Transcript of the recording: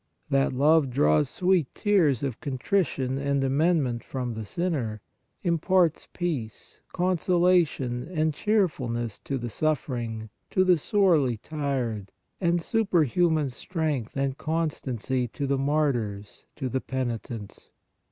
That love draws sweet tears of contrition and amendment from the sinner, imparts peace, consolation and cheerfulness to the suffering, to the sorely tried, and superhuman strength and constancy to the martyrs, to the penitents.